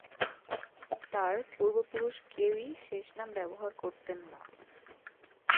তার পূর্বপুরুষ কেউই শেষ নাম ব্যবহার করতেন না।